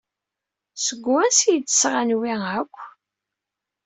Seg wansi ay d-sɣan wi akk?